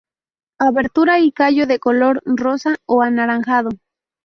Abertura y callo de color rosa o anaranjado.